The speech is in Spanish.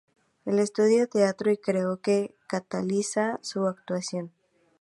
El estudió teatro, y creo que cataliza su actuación".